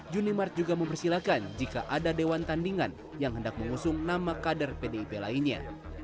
juni mart juga mempersilahkan jika ada dewan tandingan yang hendak mengusung nama kader pdip lainnya